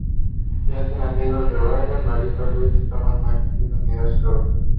Se hace amigo de Rainer Maria Rilke y Thomas Mann, quienes admiran su trabajo.